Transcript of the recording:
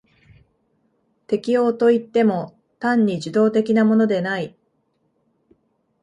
適応といっても単に受動的なものでない。